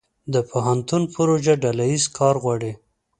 د پوهنتون پروژه ډله ییز کار غواړي.